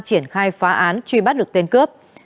triển khai phá án truy bắt được tên cướp